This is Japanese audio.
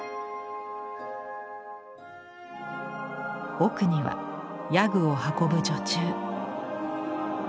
奥には夜具を運ぶ女中。